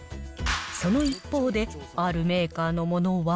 その一方で、あるメーカーのものは。